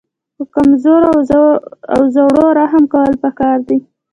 په کمزورو او زړو رحم کول پکار دي.